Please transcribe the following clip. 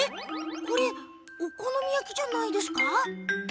これお好み焼きじゃないですか？